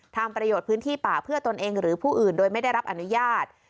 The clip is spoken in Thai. ทำประโยชน์พื้นที่ป่าเพื่อตนเองหรือผู้อื่นโดยไม่ได้รับอนุญาต